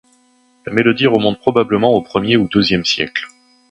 La mélodie remonte probablement aux premier ou deuxième siècles.